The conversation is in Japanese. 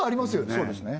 そうですね